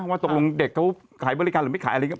ว่าตกลงเด็กเขาขายบริการหรือไม่ขายอะไรอย่างนี้